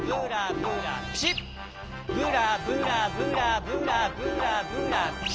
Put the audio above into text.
ブラブラブラブラブラブラピシッ！